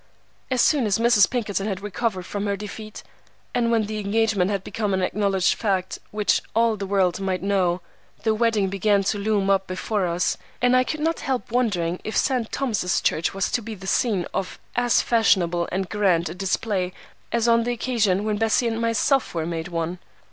As soon as Mrs. Pinkerton had recovered from her defeat, and when the engagement had become an acknowledged fact which all the world might know, the wedding began to loom up before us, and I could not help wondering if St. Thomas's Church was to be the scene of as fashionable and grand a display as on the occasion when Bessie and myself were made one.